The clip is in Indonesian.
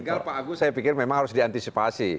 tinggal pak agus saya pikir memang harus diantisipasi